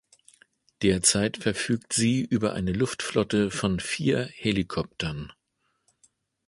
Derzeit verfügt sie über eine Luftflotte von vier Helikoptern.